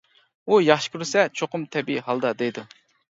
ئۇ ياخشى كۆرسە چوقۇم تەبىئىي ھالدا دەيدۇ.